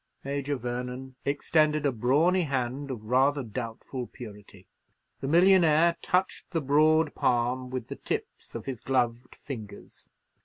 Major Vernon extended a brawny hand of rather doubtful purity. The millionaire touched the broad palm with the tips of his gloved fingers.